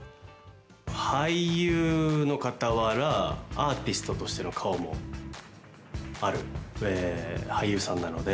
俳優のかたわらアーティストとしての顔もある俳優さんなので